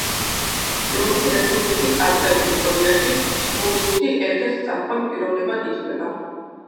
რომის რესპუბლიკის ადრეულ ისტორიაში სპურიუსი ერთ-ერთ წამყვან პიროვნებად ითვლება.